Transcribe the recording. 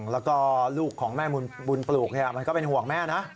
แล้วก็ลูกของแม่บุญปลูกมันก็เป็นห่วงแม่นะ